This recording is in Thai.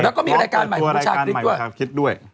แล้วก็มีรายการใหม่ของผู้ชายคริสต์ด้วย